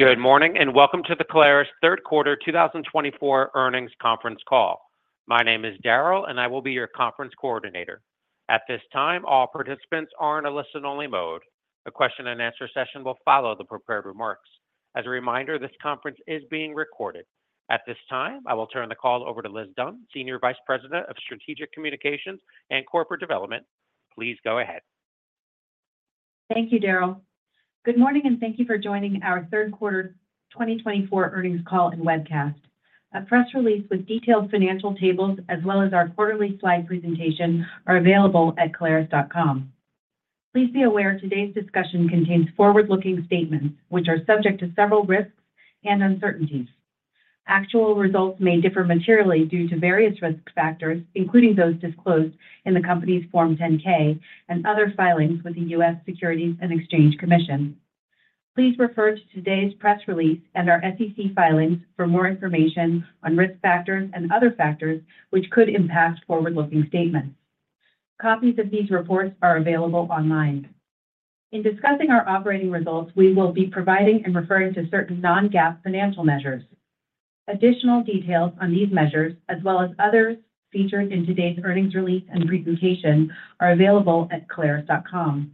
Good morning and welcome to the Caleres Third Quarter 2024 Earnings Conference Call. My name is Darrell, and I will be your conference coordinator. At this time, all participants are in a listen-only mode. The question-and-answer session will follow the prepared remarks. As a reminder, this conference is being recorded. At this time, I will turn the call over to Liz Dunn, Senior Vice President of Strategic Communications and Corporate Development. Please go ahead. Thank you, Darrell. Good morning and thank you for joining our Third Quarter 2024 Earnings Call and Webcast. A press release with detailed financial tables, as well as our quarterly slide presentation, are available at caleres.com. Please be aware today's discussion contains forward-looking statements, which are subject to several risks and uncertainties. Actual results may differ materially due to various risk factors, including those disclosed in the company's Form 10-K and other filings with the U.S. Securities and Exchange Commission. Please refer to today's press release and our SEC filings for more information on risk factors and other factors which could impact forward-looking statements. Copies of these reports are available online. In discussing our operating results, we will be providing and referring to certain non-GAAP financial measures. Additional details on these measures, as well as others featured in today's earnings release and presentation, are available at caleres.com.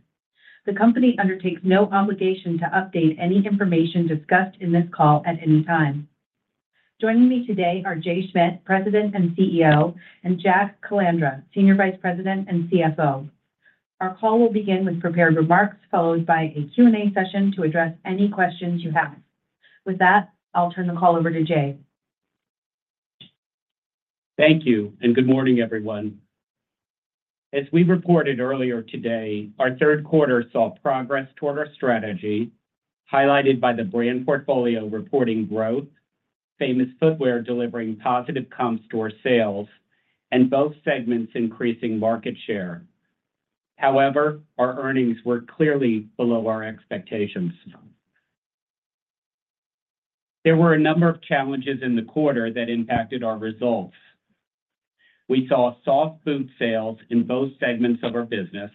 The company undertakes no obligation to update any information discussed in this call at any time. Joining me today are Jay Schmidt, President and CEO, and Jack Calandra, Senior Vice President and CFO. Our call will begin with prepared remarks, followed by a Q&A session to address any questions you have. With that, I'll turn the call over to Jay. Thank you, and good morning, everyone. As we reported earlier today, our third quarter saw progress toward our strategy, highlighted by the Brand Portfolio reporting growth, Famous Footwear delivering positive comp store sales, and both segments increasing market share. However, our earnings were clearly below our expectations. There were a number of challenges in the quarter that impacted our results. We saw soft boot sales in both segments of our business.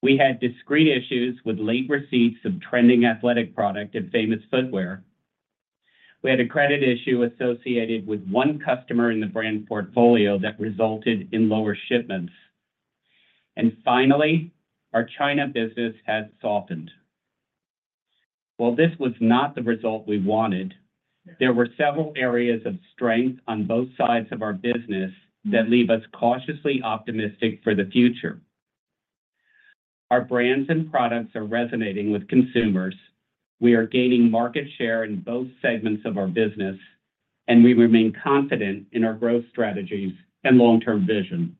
We had discrete issues with late receipts of trending athletic product and Famous Footwear. We had a credit issue associated with one customer in the Brand Portfolio that resulted in lower shipments. And finally, our China business has softened. While this was not the result we wanted, there were several areas of strength on both sides of our business that leave us cautiously optimistic for the future. Our brands and products are resonating with consumers. We are gaining market share in both segments of our business, and we remain confident in our growth strategies and long-term vision.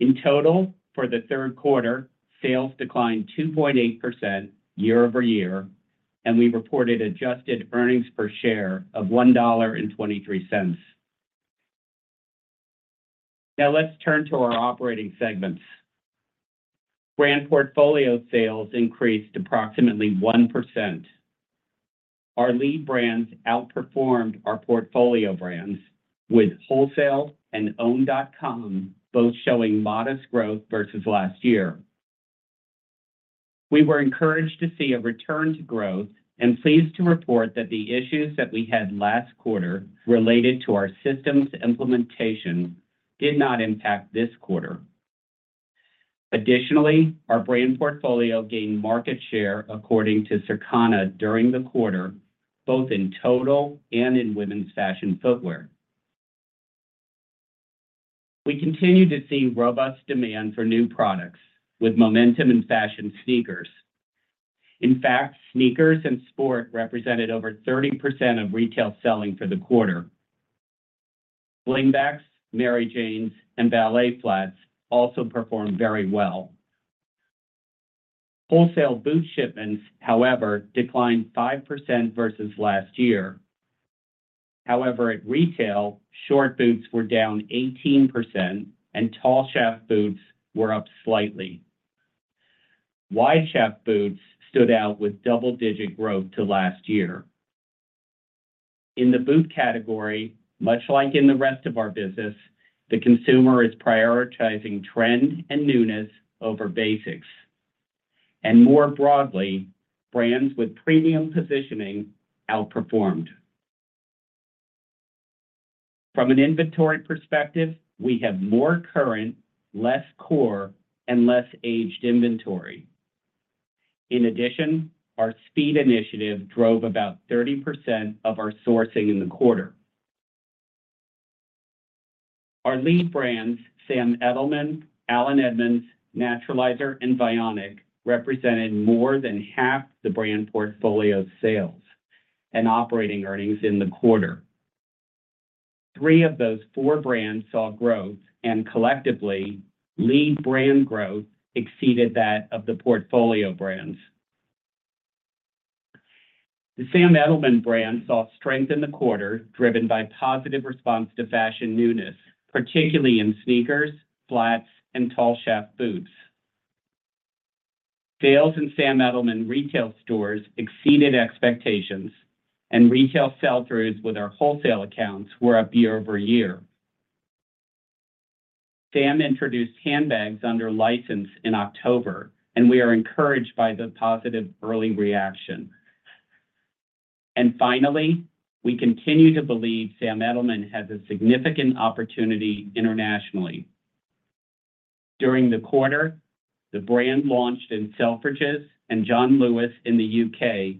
In total, for the third quarter, sales declined 2.8% year-over-year, and we reported adjusted earnings per share of $1.23. Now let's turn to our operating segments. Brand Portfolio sales increased approximately 1%. Our lead brands outperformed our portfolio brands, with wholesale and owned .com both showing modest growth versus last year. We were encouraged to see a return to growth and pleased to report that the issues that we had last quarter related to our systems implementation did not impact this quarter. Additionally, our Brand Portfolio gained market share according to Circana during the quarter, both in total and in women's fashion footwear. We continue to see robust demand for new products, with momentum in fashion sneakers. In fact, sneakers and sport represented over 30% of retail selling for the quarter. Slingbacks, Mary Janes, and ballet flats also performed very well. Wholesale boot shipments, however, declined 5% versus last year. However, at retail, short boots were down 18%, and tall shaft boots were up slightly. Wide shaft boots stood out with double-digit growth to last year. In the boot category, much like in the rest of our business, the consumer is prioritizing trend and newness over basics. And more broadly, brands with premium positioning outperformed. From an inventory perspective, we have more current, less core, and less aged inventory. In addition, our Speed initiative drove about 30% of our sourcing in the quarter. Our lead brands, Sam Edelman, Allen Edmonds, Naturalizer, and Vionic, represented more than half the Brand Portfolio sales and operating earnings in the quarter. Three of those four brands saw growth, and collectively, lead brand growth exceeded that of the portfolio brands. The Sam Edelman brand saw strength in the quarter driven by positive response to fashion newness, particularly in sneakers, flats, and tall shaft boots. Sales in Sam Edelman retail stores exceeded expectations, and retail sell-throughs with our wholesale accounts were up year-over-year. Sam introduced handbags under license in October, and we are encouraged by the positive early reaction, and finally, we continue to believe Sam Edelman has a significant opportunity internationally. During the quarter, the brand launched in Selfridges and John Lewis in the U.K.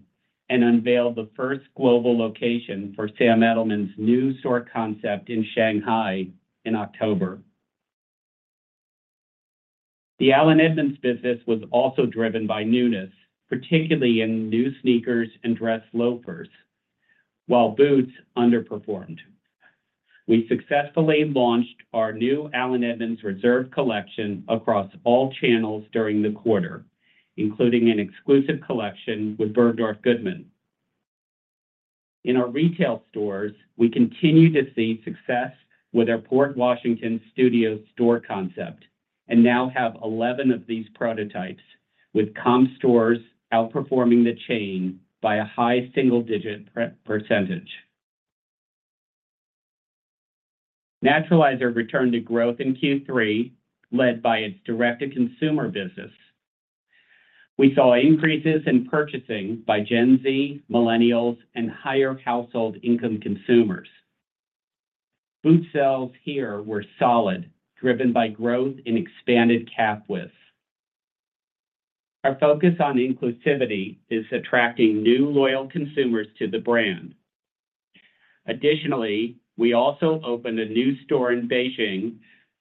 and unveiled the first global location for Sam Edelman's new store concept in Shanghai in October. The Allen Edmonds business was also driven by newness, particularly in new sneakers and dress loafers, while boots underperformed. We successfully launched our new Allen Edmonds Reserve Collection across all channels during the quarter, including an exclusive collection with Bergdorf Goodman. In our retail stores, we continue to see success with our Port Washington Studio store concept and now have 11 of these prototypes, with comp stores outperforming the chain by a high single-digit percentage. Naturalizer returned to growth in Q3, led by its direct-to-consumer business. We saw increases in purchasing by Gen Z, Millennials, and higher household income consumers. Boot sales here were solid, driven by growth in expanded calf width. Our focus on inclusivity is attracting new loyal consumers to the brand. Additionally, we also opened a new store in Beijing,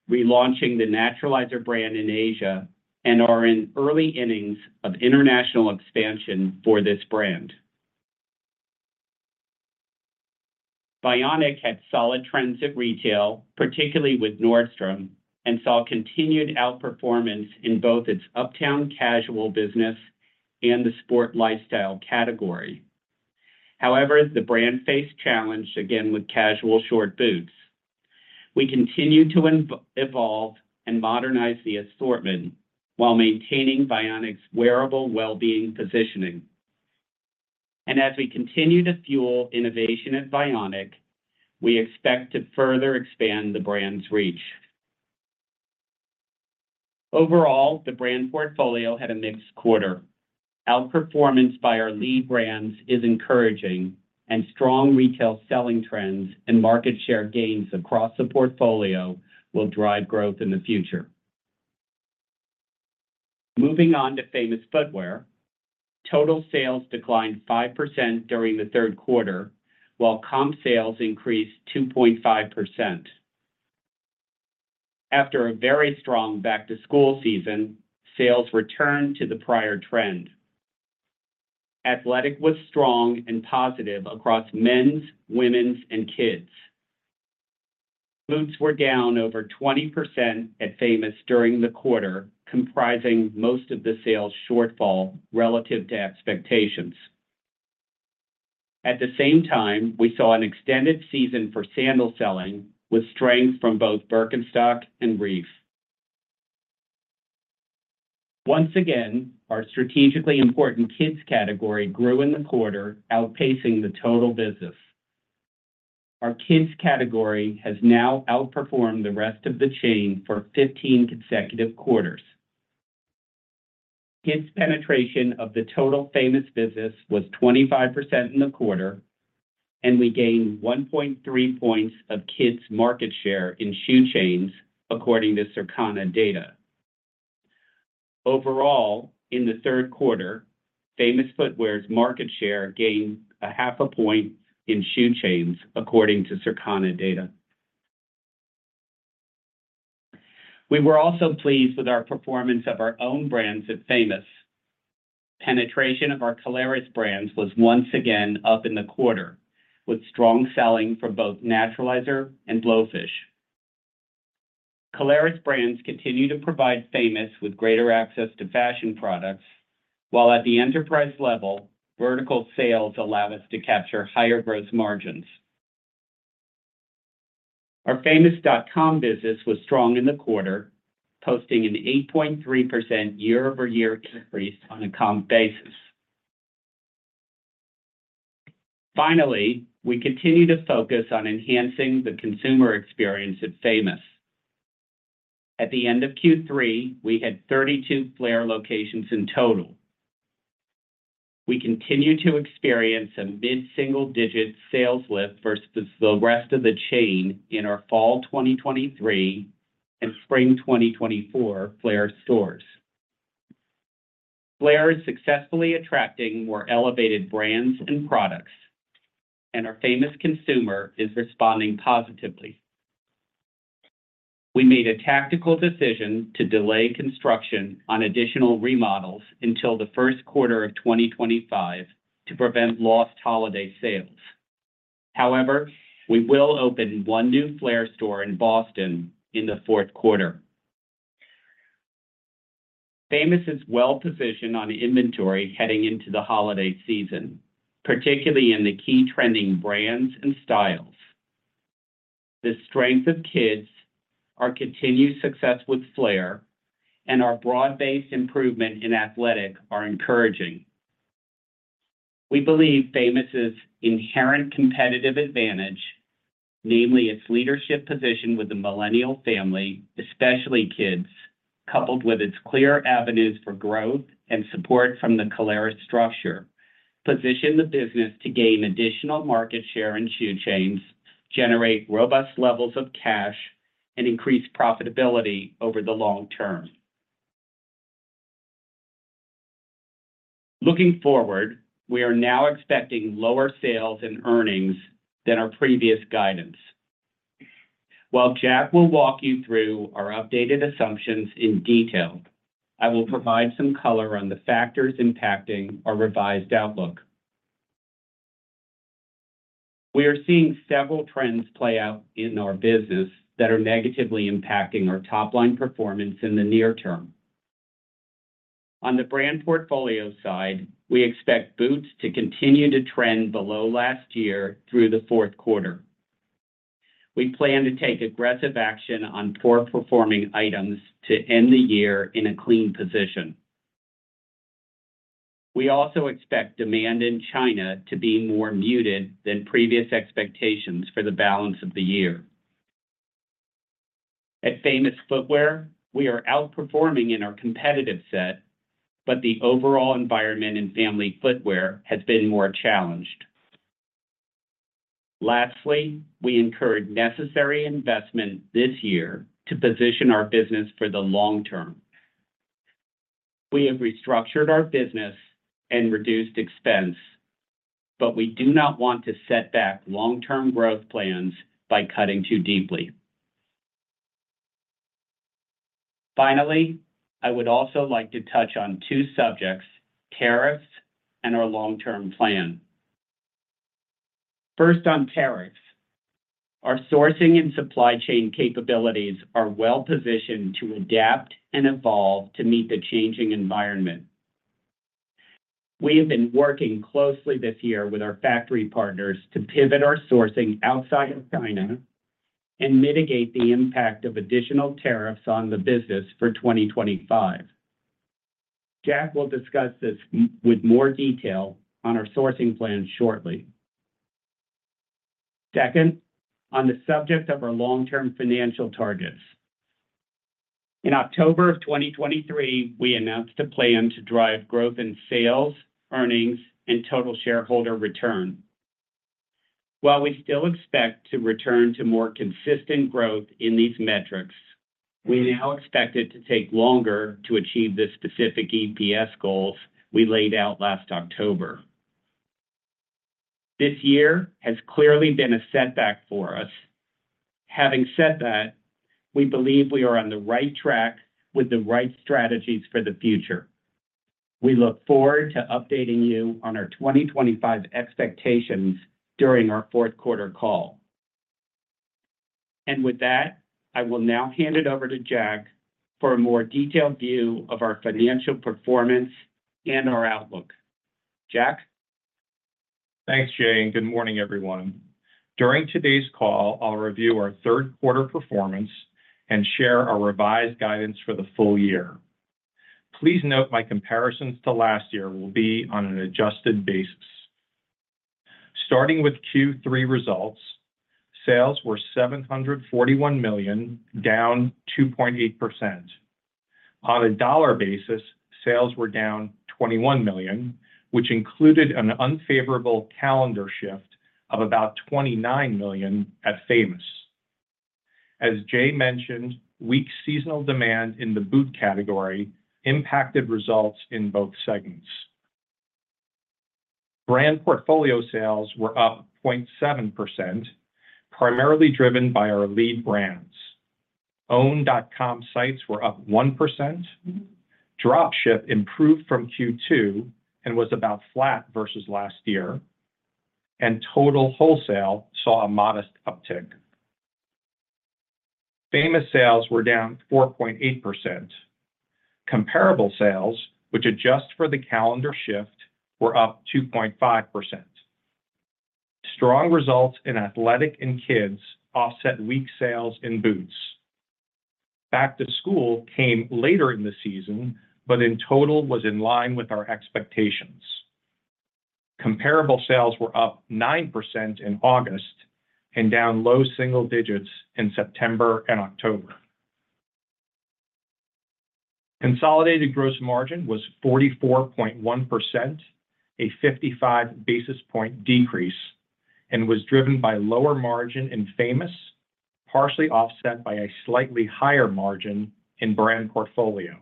relaunching the Naturalizer brand in Asia, and are in early innings of international expansion for this brand. Vionic had solid trends at retail, particularly with Nordstrom, and saw continued outperformance in both its Uptown casual business and the sport lifestyle category. However, the brand faced challenge again with casual short boots. We continue to evolve and modernize the assortment while maintaining Vionic's wearable well-being positioning. And as we continue to fuel innovation at Vionic, we expect to further expand the brand's reach. Overall, the Brand Portfolio had a mixed quarter. Outperformance by our lead brands is encouraging, and strong retail selling trends and market share gains across the portfolio will drive growth in the future. Moving on to Famous Footwear, total sales declined 5% during the third quarter, while comp sales increased 2.5%. After a very strong back-to-school season, sales returned to the prior trend. Athletic was strong and positive across men's, women's, and kids. Boots were down over 20% at Famous during the quarter, comprising most of the sales shortfall relative to expectations. At the same time, we saw an extended season for sandal selling, with strength from both Birkenstock and Reef. Once again, our strategically important kids category grew in the quarter, outpacing the total business. Our kids category has now outperformed the rest of the chain for 15 consecutive quarters. Kids penetration of the total Famous business was 25% in the quarter, and we gained 1.3 points of kids market share in shoe chains, according to Circana data. Overall, in the third quarter, Famous Footwear's market share gained a half a point in shoe chains, according to Circana data. We were also pleased with our performance of our own brands at Famous. Penetration of our Caleres brands was once again up in the quarter, with strong selling for both Naturalizer and Blowfish. Caleres brands continue to provide Famous with greater access to fashion products, while at the enterprise level, vertical sales allow us to capture higher gross margins. Our Famous.com business was strong in the quarter, posting an 8.3% year-over-year increase on a comp basis. Finally, we continue to focus on enhancing the consumer experience at Famous. At the end of Q3, we had 32 Flair locations in total. We continue to experience a mid-single-digit sales lift versus the rest of the chain in our fall 2023 and spring 2024 Flair stores. Flair is successfully attracting more elevated brands and products, and our Famous consumer is responding positively. We made a tactical decision to delay construction on additional remodels until the first quarter of 2025 to prevent lost holiday sales. However, we will open one new Flair store in Boston in the fourth quarter. Famous is well-positioned on inventory heading into the holiday season, particularly in the key trending brands and styles. The strength of kids, our continued success with Flair, and our broad-based improvement in athletic are encouraging. We believe Famous's inherent competitive advantage, namely its leadership position with the millennial family, especially kids, coupled with its clear avenues for growth and support from the Caleres structure, position the business to gain additional market share in shoe chains, generate robust levels of cash, and increase profitability over the long term. Looking forward, we are now expecting lower sales and earnings than our previous guidance. While Jack will walk you through our updated assumptions in detail, I will provide some color on the factors impacting our revised outlook. We are seeing several trends play out in our business that are negatively impacting our top-line performance in the near term. On the Brand Portfolio side, we expect boots to continue to trend below last year through the fourth quarter. We plan to take aggressive action on poor-performing items to end the year in a clean position. We also expect demand in China to be more muted than previous expectations for the balance of the year. At Famous Footwear, we are outperforming in our competitive set, but the overall environment in family footwear has been more challenged. Lastly, we incurred necessary investment this year to position our business for the long term. We have restructured our business and reduced expense, but we do not want to set back long-term growth plans by cutting too deeply. Finally, I would also like to touch on two subjects: tariffs and our long-term plan. First, on tariffs, our sourcing and supply chain capabilities are well-positioned to adapt and evolve to meet the changing environment. We have been working closely this year with our factory partners to pivot our sourcing outside of China and mitigate the impact of additional tariffs on the business for 2025. Jack will discuss this with more detail on our sourcing plan shortly. Second, on the subject of our long-term financial targets, in October of 2023, we announced a plan to drive growth in sales, earnings, and total shareholder return. While we still expect to return to more consistent growth in these metrics, we now expect it to take longer to achieve the specific EPS goals we laid out last October. This year has clearly been a setback for us. Having said that, we believe we are on the right track with the right strategies for the future. We look forward to updating you on our 2025 expectations during our fourth quarter call. And with that, I will now hand it over to Jack for a more detailed view of our financial performance and our outlook. Jack? Thanks, Jay. And good morning, everyone. During today's call, I'll review our third quarter performance and share our revised guidance for the full year. Please note my comparisons to last year will be on an adjusted basis. Starting with Q3 results, sales were $741 million, down 2.8%. On a dollar basis, sales were down $21 million, which included an unfavorable calendar shift of about $29 million at Famous. As Jay mentioned, weak seasonal demand in the boot category impacted results in both segments. Brand portfolio sales were up 0.7%, primarily driven by our lead brands. owned .com sites were up 1%. Dropship improved from Q2 and was about flat versus last year. And total wholesale saw a modest uptick. Famous sales were down 4.8%. Comparable sales, which adjust for the calendar shift, were up 2.5%. Strong results in athletic and kids offset weak sales in boots. Back-to-school came later in the season, but in total was in line with our expectations. Comparable sales were up 9% in August and down low single digits in September and October. Consolidated gross margin was 44.1%, a 55 basis points decrease, and was driven by lower margin in Famous, partially offset by a slightly higher margin in Brand Portfolio.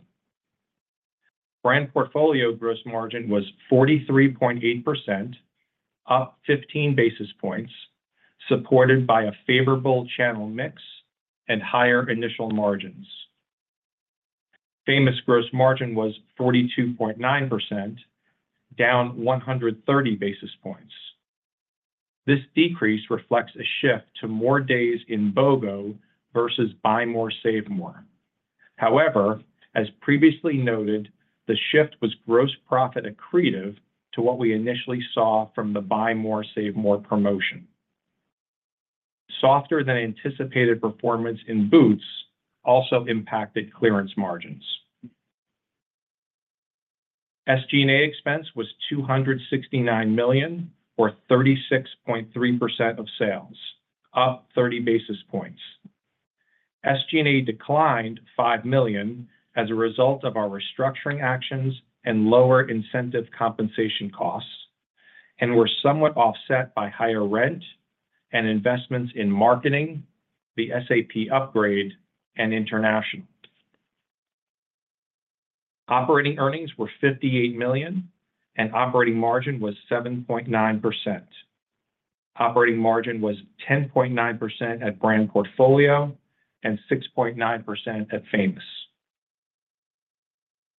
Brand Portfolio gross margin was 43.8%, up 15 basis points, supported by a favorable channel mix and higher initial margins. Famous gross margin was 42.9%, down 130 basis points. This decrease reflects a shift to more days in BOGO versus Buy More, Save More. However, as previously noted, the shift was gross profit accretive to what we initially saw from the Buy More, Save More promotion. Softer than anticipated performance in boots also impacted clearance margins. SG&A expense was $269 million, or 36.3% of sales, up 30 basis points. SG&A declined $5 million as a result of our restructuring actions and lower incentive compensation costs, and were somewhat offset by higher rent and investments in marketing, the SAP upgrade, and international. Operating earnings were $58 million, and operating margin was 7.9%. Operating margin was 10.9% at Brand Portfolio and 6.9% at Famous.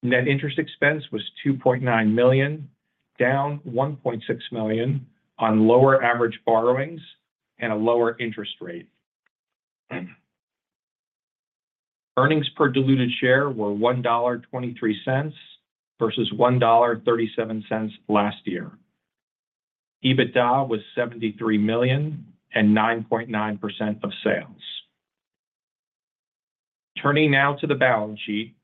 Net interest expense was $2.9 million, down $1.6 million on lower average borrowings and a lower interest rate. Earnings per diluted share were $1.23 versus $1.37 last year. EBITDA was $73 million and 9.9% of sales. Turning now to the balance sheet,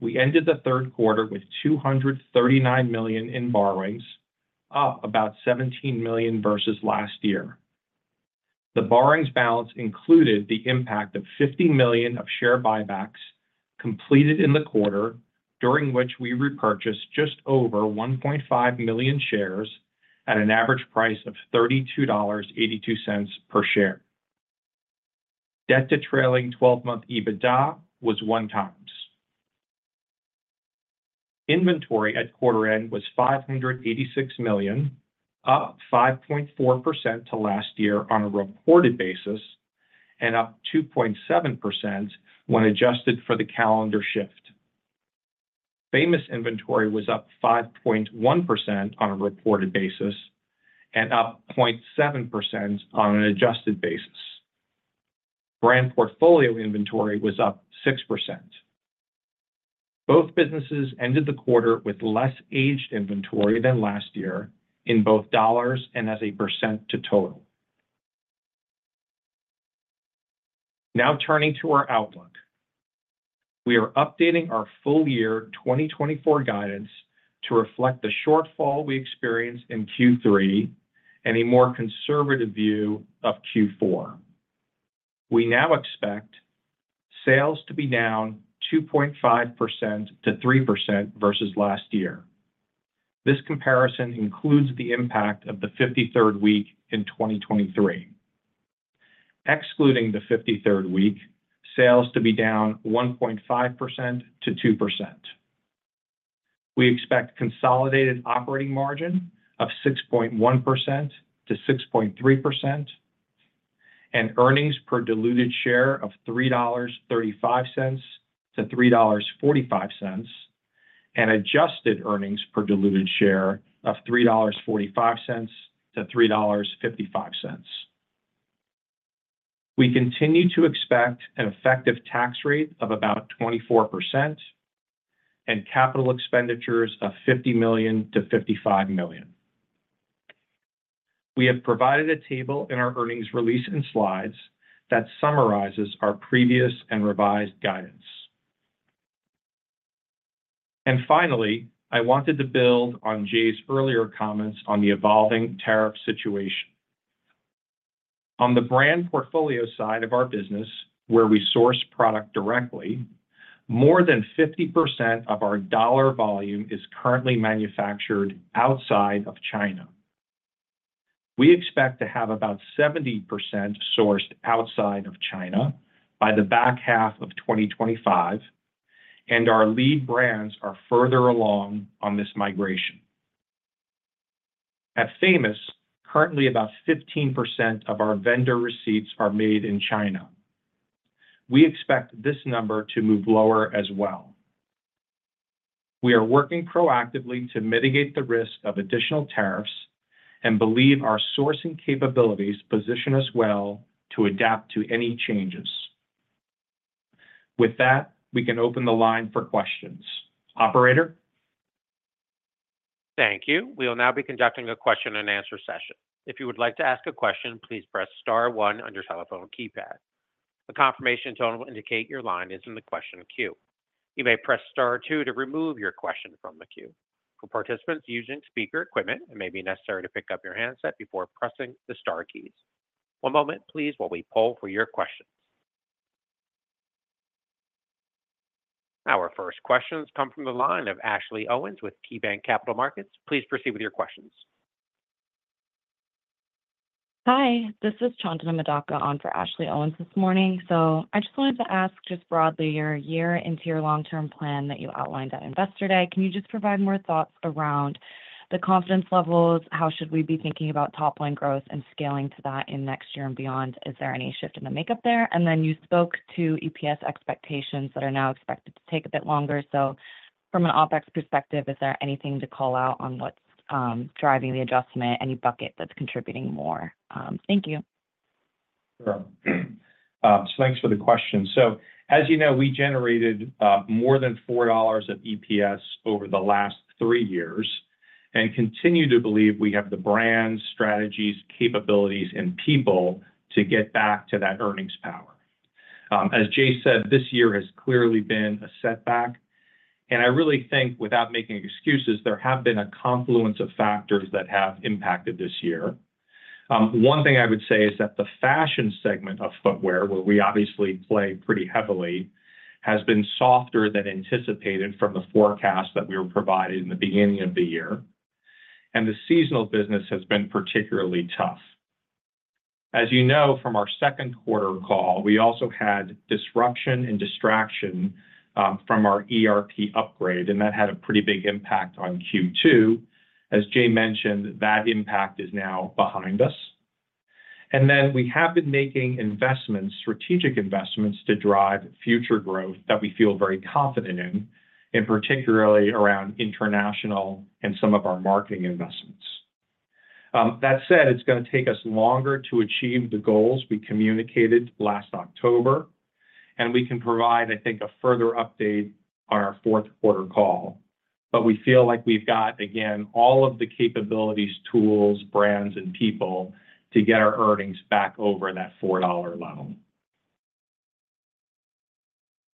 we ended the third quarter with $239 million in borrowings, up about $17 million versus last year. The borrowings balance included the impact of $50 million of share buybacks completed in the quarter, during which we repurchased just over 1.5 million shares at an average price of $32.82 per share. Debt to trailing 12-month EBITDA was one times. Inventory at quarter end was $586 million, up 5.4% to last year on a recorded basis and up 2.7% when adjusted for the calendar shift. Famous inventory was up 5.1% on a recorded basis and up 0.7% on an adjusted basis. Brand portfolio inventory was up 6%. Both businesses ended the quarter with less aged inventory than last year in both dollars and as a percent to total. Now turning to our outlook, we are updating our full year 2024 guidance to reflect the shortfall we experienced in Q3 and a more conservative view of Q4. We now expect sales to be down 2.5%-3% versus last year. This comparison includes the impact of the 53rd week in 2023. Excluding the 53rd week, sales to be down 1.5%-2%. We expect consolidated operating margin of 6.1%-6.3%, and earnings per diluted share of $3.35-$3.45, and adjusted earnings per diluted share of $3.45-$3.55. We continue to expect an effective tax rate of about 24% and capital expenditures of $50 million-$55 million. We have provided a table in our earnings release and slides that summarizes our previous and revised guidance. And finally, I wanted to build on Jay's earlier comments on the evolving tariff situation. On the Brand Portfolio side of our business, where we source product directly, more than 50% of our dollar volume is currently manufactured outside of China. We expect to have about 70% sourced outside of China by the back half of 2025, and our lead brands are further along on this migration. At Famous, currently about 15% of our vendor receipts are made in China. We expect this number to move lower as well. We are working proactively to mitigate the risk of additional tariffs and believe our sourcing capabilities position us well to adapt to any changes. With that, we can open the line for questions. Operator? Thank you. We will now be conducting a question and answer session. If you would like to ask a question, please press star one on your telephone keypad. A confirmation tone will indicate your line is in the question queue. You may press star two to remove your question from the queue. For participants using speaker equipment, it may be necessary to pick up your handset before pressing the star keys. One moment, please, while we poll for your questions. Our first questions come from the line of Ashley Owens with KeyBanc Capital Markets. Please proceed with your questions. Hi, this is Chandana Madaka on for Ashley Owens this morning. So I just wanted to ask just broadly you're a year into your long-term plan that you outlined at Investor Day. Can you just provide more thoughts around the confidence levels? How should we be thinking about top-line growth and scaling to that in next year and beyond? Is there any shift in the makeup there? And then you spoke to EPS expectations that are now expected to take a bit longer. So from an OpEx perspective, is there anything to call out on what's driving the adjustment, any bucket that's contributing more? Thank you. Sure. So thanks for the question. So as you know, we generated more than $4 of EPS over the last three years and continue to believe we have the brands, strategies, capabilities, and people to get back to that earnings power. As Jay said, this year has clearly been a setback, and I really think, without making excuses, there have been a confluence of factors that have impacted this year. One thing I would say is that the fashion segment of footwear, where we obviously play pretty heavily, has been softer than anticipated from the forecast that we were provided in the beginning of the year, and the seasonal business has been particularly tough. As you know, from our second quarter call, we also had disruption and distraction from our ERP upgrade, and that had a pretty big impact on Q2. As Jay mentioned, that impact is now behind us, and then we have been making investments, strategic investments to drive future growth that we feel very confident in, and particularly around international and some of our marketing investments. That said, it's going to take us longer to achieve the goals we communicated last October, and we can provide, I think, a further update on our fourth quarter call, but we feel like we've got, again, all of the capabilities, tools, brands, and people to get our earnings back over that $4 level.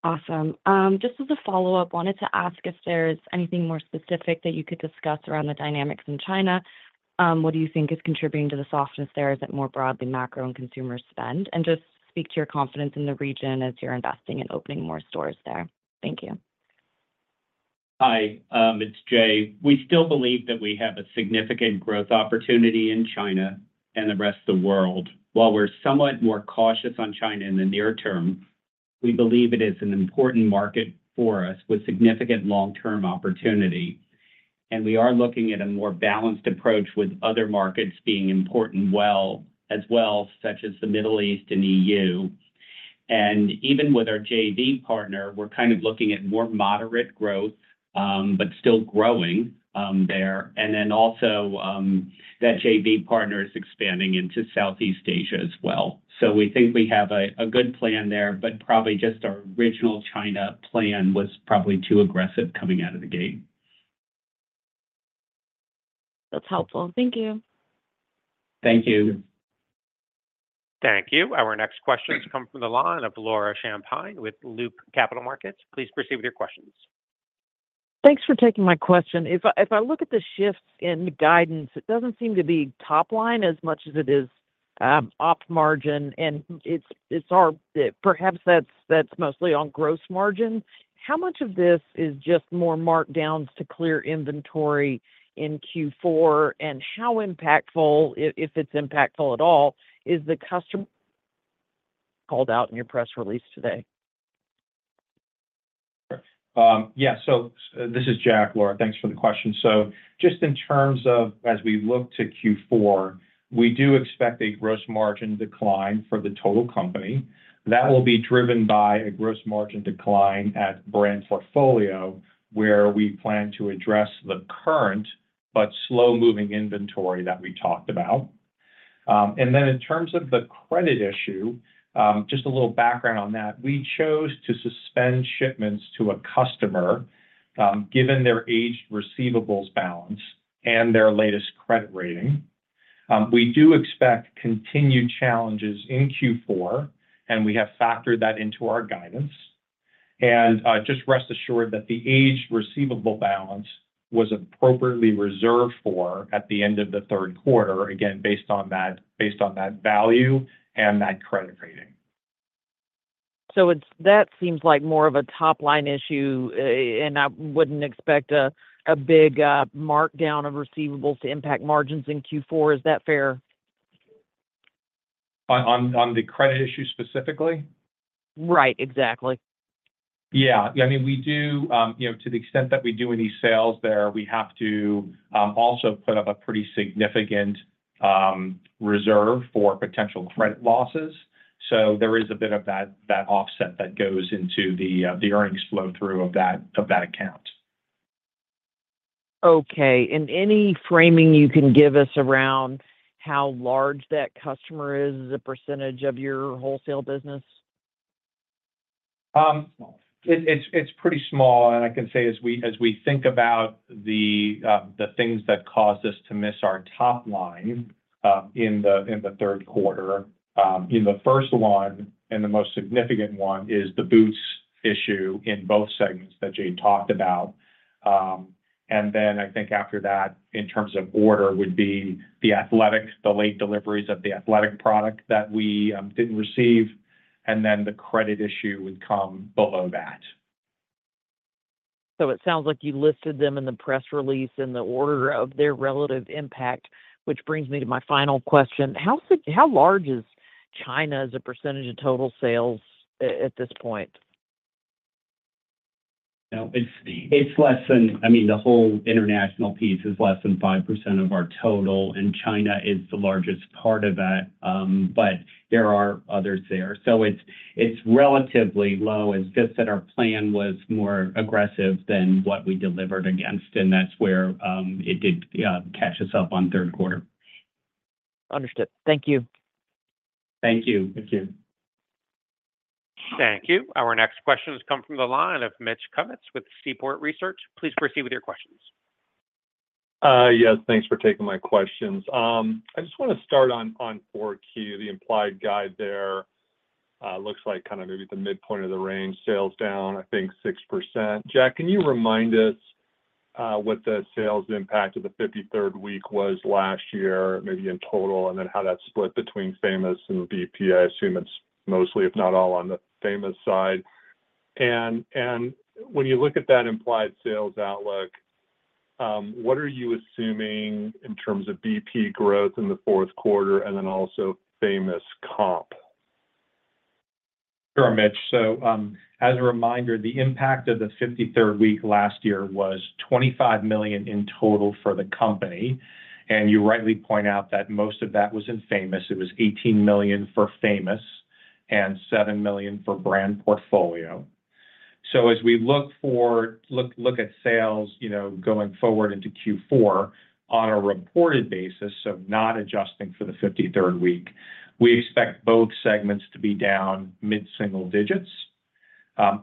Awesome. Just as a follow-up, wanted to ask if there's anything more specific that you could discuss around the dynamics in China. What do you think is contributing to the softness there? Is it more broadly macro and consumer spend? And just speak to your confidence in the region as you're investing in opening more stores there. Thank you. Hi, it's Jay. We still believe that we have a significant growth opportunity in China and the rest of the world. While we're somewhat more cautious on China in the near term, we believe it is an important market for us with significant long-term opportunity. And we are looking at a more balanced approach with other markets being important well, as well as such as the Middle East and EU. And even with our JV partner, we're kind of looking at more moderate growth, but still growing there. And then also that JV partner is expanding into Southeast Asia as well. So we think we have a good plan there, but probably just our original China plan was probably too aggressive coming out of the gate. That's helpful. Thank you. Thank you. Thank you. Our next questions come from the line of Laura Champine with Loop Capital Markets. Please proceed with your questions. Thanks for taking my question. If I look at the shifts in guidance, it doesn't seem to be top line as much as it is op margin. And it appears perhaps that's mostly on gross margin. How much of this is just more markdowns to clear inventory in Q4? And how impactful, if it's impactful at all, is the customer called out in your press release today? Yeah. So this is Jack. Laura, thanks for the question. So just in terms of as we look to Q4, we do expect a gross margin decline for the total company. That will be driven by a gross margin decline at Brand Portfolio, where we plan to address the current but slow-moving inventory that we talked about. And then in terms of the credit issue, just a little background on that. We chose to suspend shipments to a customer given their aged receivables balance and their latest credit rating. We do expect continued challenges in Q4, and we have factored that into our guidance, and just rest assured that the aged receivable balance was appropriately reserved for at the end of the third quarter, again, based on that value and that credit rating, so that seems like more of a top-line issue, and I wouldn't expect a big markdown of receivables to impact margins in Q4. Is that fair? On the credit issue specifically? Right. Exactly. Yeah. I mean, we do to the extent that we do any sales there, we have to also put up a pretty significant reserve for potential credit losses. So there is a bit of that offset that goes into the earnings flow-through of that account. Okay. And any framing you can give us around how large that customer is as a percentage of your wholesale business? It's pretty small. And I can say as we think about the things that caused us to miss our top line in the third quarter, the first one and the most significant one is the boots issue in both segments that Jay talked about. And then I think after that, in terms of order, would be the athletic, the late deliveries of the athletic product that we didn't receive. And then the credit issue would come below that. So it sounds like you listed them in the press release in the order of their relative impact, which brings me to my final question. How large is China as a percentage of total sales at this point? It's less than, I mean, the whole international piece is less than 5% of our total, and China is the largest part of that. But there are others there. So it's relatively low. It's just that our plan was more aggressive than what we delivered against, and that's where it did catch us up on third quarter. Understood. Thank you. Thank you. Thank you. Thank you. Our next questions come from the line of Mitch Kummetz with Seaport Research. Please proceed with your questions. Yes. Thanks for taking my questions. I just want to start on 4Q. The implied guide there looks like kind of maybe the midpoint of the range, sales down, I think, 6%. Jack, can you remind us what the sales impact of the 53rd week was last year, maybe in total, and then how that split between Famous and BP? I assume it's mostly, if not all, on the Famous side. And when you look at that implied sales outlook, what are you assuming in terms of BP growth in the fourth quarter and then also Famous comp? Sure, Mitch. So as a reminder, the impact of the 53rd week last year was $25 million in total for the company. And you rightly point out that most of that was in Famous. It was $18 million for Famous and $7 million for Brand Portfolio. So as we look at sales going forward into Q4 on a reported basis, so not adjusting for the 53rd week, we expect both segments to be down mid-single digits.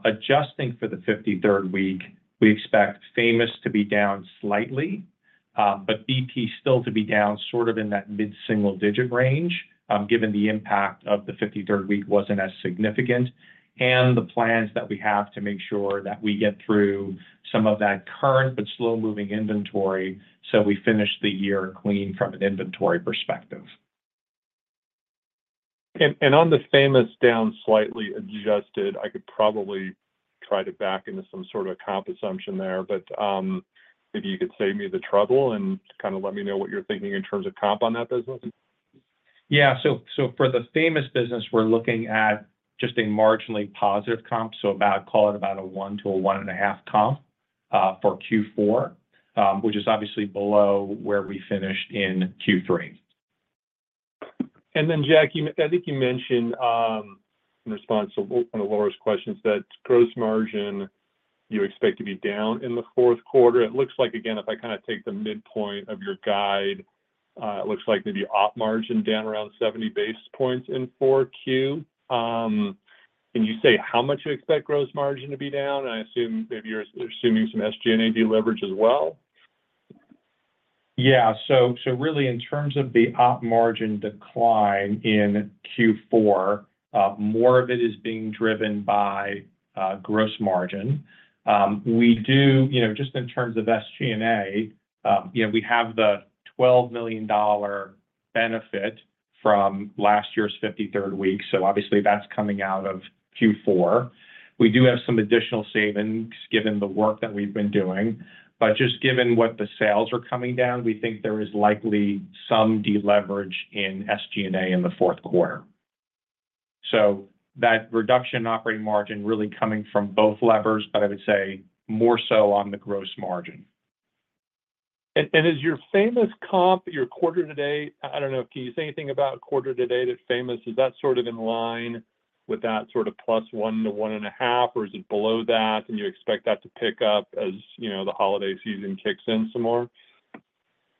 Adjusting for the 53rd week, we expect Famous to be down slightly, but BP still to be down sort of in that mid-single digit range given the impact of the 53rd week wasn't as significant. And the plans that we have to make sure that we get through some of that current but slow-moving inventory so we finish the year clean from an inventory perspective. And on the Famous down slightly adjusted, I could probably try to back into some sort of a comp assumption there, but maybe you could save me the trouble and kind of let me know what you're thinking in terms of comp on that business. Yeah. So for the Famous business, we're looking at just a marginally positive comp, so call it about a one to a one and a half comp for Q4, which is obviously below where we finished in Q3. And then, Jack, I think you mentioned in response to Laura's questions that gross margin you expect to be down in the fourth quarter. It looks like, again, if I kind of take the midpoint of your guide, it looks like maybe op margin down around 70 basis points in 4Q. Can you say how much you expect gross margin to be down? And I assume maybe you're assuming some SG&A deleverage as well. Yeah. So really, in terms of the op margin decline in Q4, more of it is being driven by gross margin. We do, just in terms of SG&A, we have the $12 million benefit from last year's 53rd week. So obviously, that's coming out of Q4. We do have some additional savings given the work that we've been doing. But just given what the sales are coming down, we think there is likely some deleverage in SG&A in the fourth quarter. So that reduction in operating margin really coming from both levers, but I would say more so on the gross margin. And is your Famous comp your quarter to date? I don't know. Can you say anything about quarter to date that Famous? Is that sort of in line with that sort of +1%-1.5%, or is it below that? And you expect that to pick up as the holiday season kicks in some more?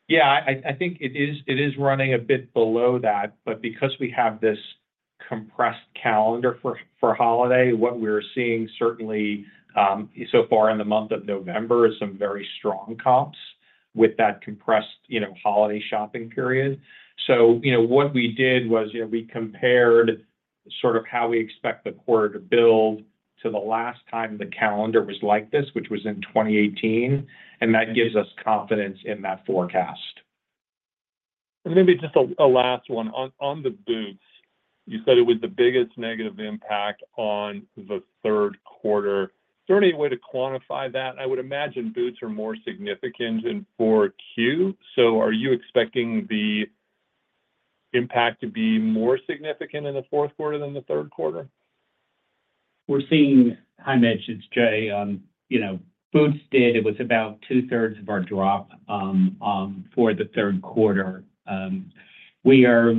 Yeah. I think it is running a bit below that. But because we have this compressed calendar for holiday, what we're seeing certainly so far in the month of November is some very strong comps with that compressed holiday shopping period. So what we did was we compared sort of how we expect the quarter to build to the last time the calendar was like this, which was in 2018. And that gives us confidence in that forecast. And maybe just a last one. On the boots, you said it was the biggest negative impact on the third quarter. Is there any way to quantify that? I would imagine boots are more significant in 4Q. So are you expecting the impact to be more significant in the fourth quarter than the third quarter? We're seeing. Hi, Mitch, it's Jay. Boots did. It was about two-thirds of our drop for the third quarter. We are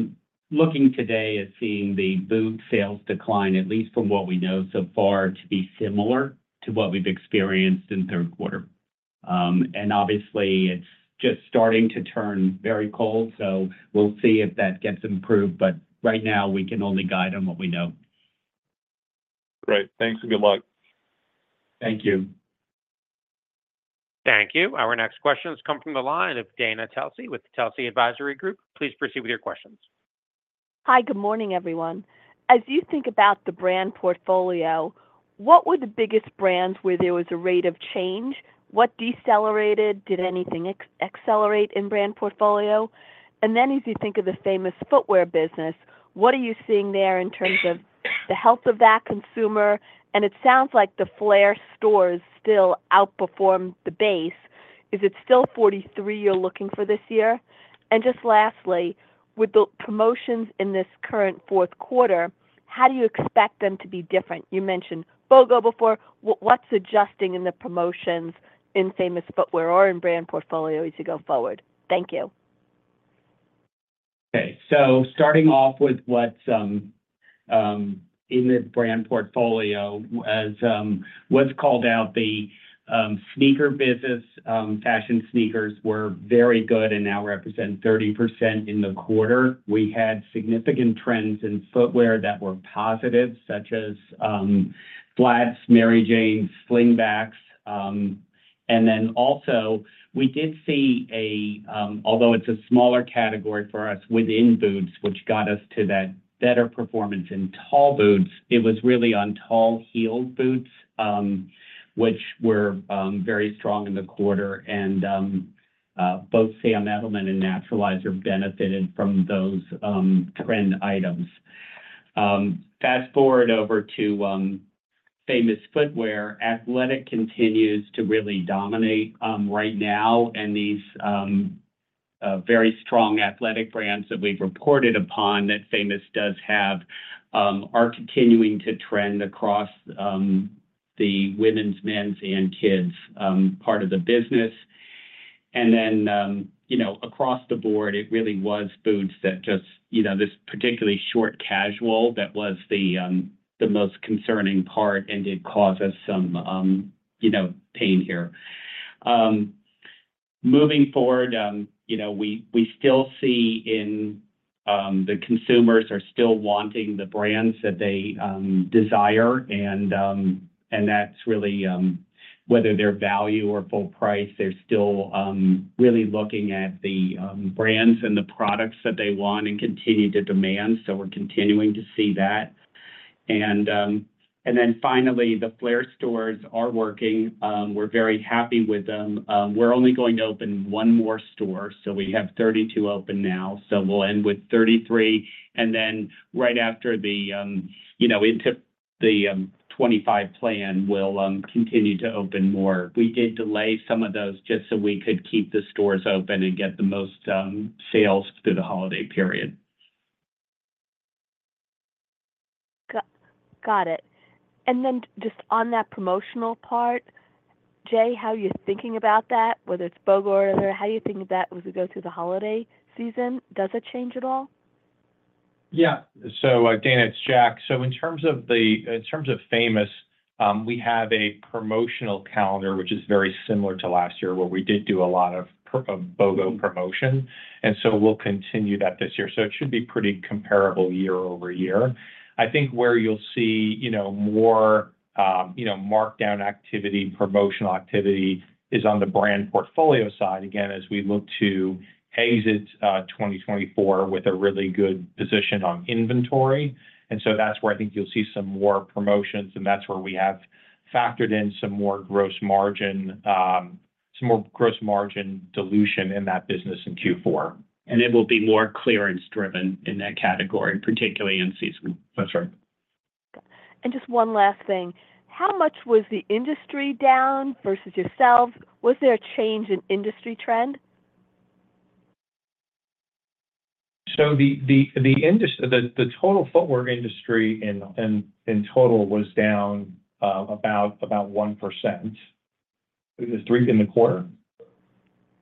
looking today at seeing the boot sales decline, at least from what we know so far, to be similar to what we've experienced in third quarter. And obviously, it's just starting to turn very cold. So we'll see if that gets improved. But right now, we can only guide on what we know. Great. Thanks. Good luck. Thank you. Thank you. Our next questions come from the line of Dana Telsey with Telsey Advisory Group. Please proceed with your questions. Hi. Good morning, everyone. As you think about the Brand Portfolio, what were the biggest brands where there was a rate of change? What decelerated? Did anything accelerate in Brand Portfolio? And then as you think of the Famous Footwear business, what are you seeing there in terms of the health of that consumer? And it sounds like the Flair stores still outperform the base. Is it still 43 you're looking for this year? And just lastly, with the promotions in this current fourth quarter, how do you expect them to be different? You mentioned BOGO before. What's adjusting in the promotions in Famous Footwear or in Brand Portfolio as you go forward? Thank you. Okay. So starting off with what's in the Brand Portfolio, what's called out, the sneaker business, fashion sneakers were very good and now represent 30% in the quarter. We had significant trends in footwear that were positive, such as flats, Mary Janes, slingbacks, and then also we did see, although it's a smaller category for us within boots, which got us to that better performance in tall boots, it was really on tall heeled boots, which were very strong in the quarter, and both Sam Edelman and Naturalizer benefited from those trend items. Fast forward over to Famous Footwear, athletic continues to really dominate right now, and these very strong athletic brands that we've reported upon that Famous does have are continuing to trend across the women's, men's, and kids' part of the business. And then, across the board, it really was boots that just this particularly short casual that was the most concerning part and did cause us some pain here. Moving forward, we still see in the consumers are still wanting the brands that they desire. And that's really whether they're value or full price, they're still really looking at the brands and the products that they want and continue to demand. So we're continuing to see that. And then finally, the Flair stores are working. We're very happy with them. We're only going to open one more store. So we have 32 open now. So we'll end with 33. And then right after the into the 25 plan, we'll continue to open more. We did delay some of those just so we could keep the stores open and get the most sales through the holiday period. Got it. And then just on that promotional part, Jay, how are you thinking about that? Whether it's BOGO or other, how do you think of that as we go through the holiday season? Does it change at all? Yeah. So again, it's Jack. So in terms of Famous, we have a promotional calendar, which is very similar to last year where we did do a lot of BOGO promotion. And so we'll continue that this year. So it should be pretty comparable year over year. I think where you'll see more markdown activity, promotional activity is on the Brand Portfolio side. Again, as we look to head into 2024 with a really good position on inventory. And so that's where I think you'll see some more promotions. And that's where we have factored in some more gross margin, some more gross margin dilution in that business in Q4. And it will be more clearance-driven in that category, particularly in season. That's right. And just one last thing. How much was the industry down versus yourselves? Was there a change in industry trend? So the total footwear industry in total was down about 1%. Is it three in the quarter?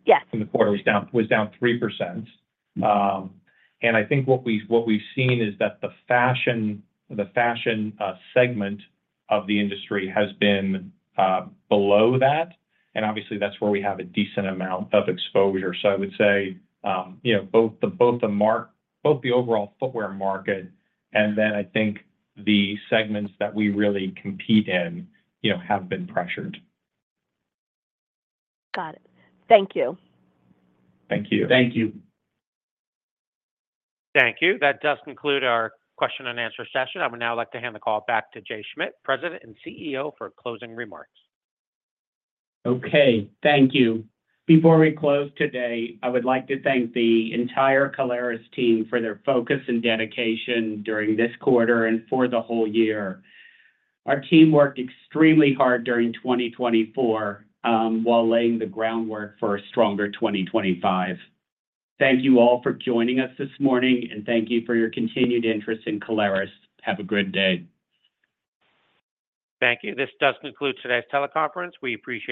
Yes. In the quarter, it was down 3%. And I think what we've seen is that the fashion segment of the industry has been below that. And obviously, that's where we have a decent amount of exposure. So I would say both the overall footwear market and then I think the segments that we really compete in have been pressured. Got it. Thank you. Thank you. Thank you. Thank you. That does conclude our question and answer session. I would now like to hand the call back to Jay Schmidt, President and CEO, for closing remarks. Okay. Thank you. Before we close today, I would like to thank the entire Caleres team for their focus and dedication during this quarter and for the whole year. Our team worked extremely hard during 2024 while laying the groundwork for a stronger 2025. Thank you all for joining us this morning, and thank you for your continued interest in Caleres. Have a good day. Thank you. This does conclude today's teleconference. We appreciate.